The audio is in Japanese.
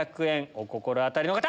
お心当たりの方！